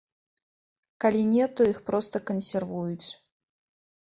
Калі не, то іх проста кансервуюць.